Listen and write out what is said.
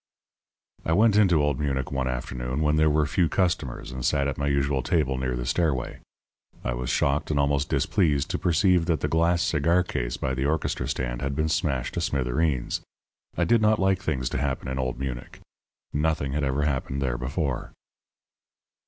I went into Old Munich one afternoon when there were few customers, and sat at my usual table near the stairway. I was shocked and almost displeased to perceive that the glass cigar case by the orchestra stand had been smashed to smithereens. I did not like things to happen in Old Munich. Nothing had ever happened there before.